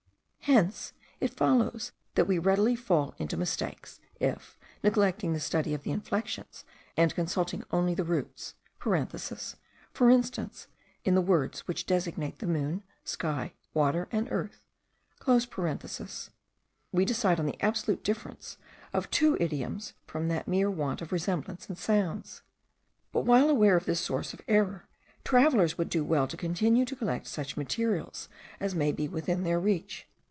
Hence it follows that we readily fall into mistakes, if, neglecting the study of the inflexions, and consulting only the roots (for instance, in the words which designate the moon, sky, water, and earth), we decide on the absolute difference of two idioms from the mere want of resemblance in sounds. But, while aware of this source of error, travellers would do well to continue to collect such materials as may be within their reach.